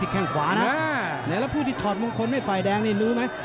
แข้งขวานะไหนละผู้ที่ถอดมงคลไม่ไฟแดงนี่นู้มั้ย